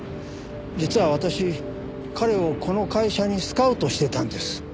実は私彼をこの会社にスカウトしてたんです。